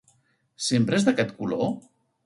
Sempre és d'aquest color?